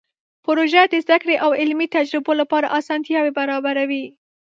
پروژه د زده کړې او علمي تجربو لپاره اسانتیاوې برابروي.